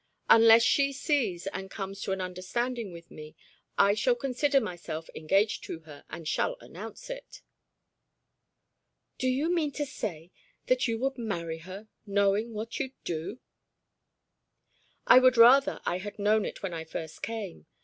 Unless she sees and comes to an understanding with me, I shall consider myself engaged to her, and shall announce it." "Do you mean to say that you would marry her, knowing what you do?" "I would rather I had known it when I first came.